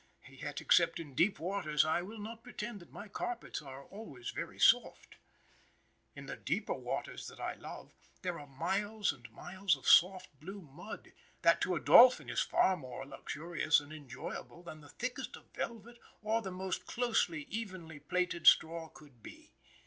Yet, except in deep waters, I will not pretend that my carpets are always very soft. In the deeper waters that I love, there are miles and miles of soft, blue mud, that to a Dolphin is far more luxurious and enjoyable than the thickest of velvet or the most closely, evenly plaited straw could be.